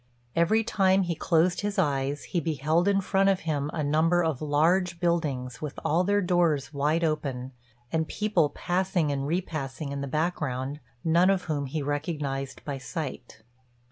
Every time he closed his eyes, he beheld in front of him a number of large buildings, with all their doors wide open, and people passing and repassing in the background, none of whom he recognised by sight.